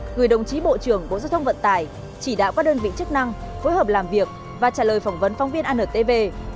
gửi đồng chí bộ trưởng bộ giao thông vận tải chỉ đạo các đơn vị chức năng phối hợp làm việc và trả lời phỏng vấn phóng viên antv